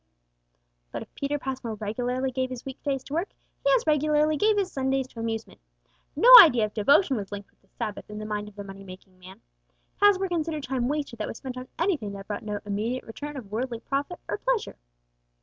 But if Peter Passmore regularly gave his week days to work, he as regularly gave his Sundays to amusement. No idea of devotion was linked with the Sabbath in the mind of the money making man. Passmore considered time wasted that was spent on anything that brought no immediate return of worldly profit or pleasure.